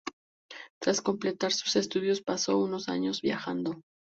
Tras completar sus estudios, pasó unos años viajando.